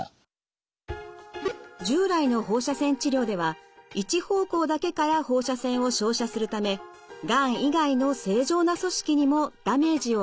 従来の放射線治療では一方向だけから放射線を照射するためがん以外の正常な組織にもダメージを与えてしまいます。